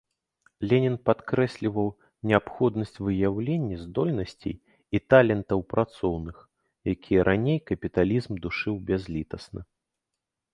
Ленін падкрэсліваў неабходнасць выяўлення здольнасцей і талентаў працоўных, якія раней капіталізм душыў бязлітасна.